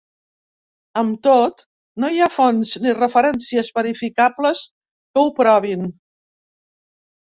Amb tot, no hi ha fonts ni referències verificables que ho provin.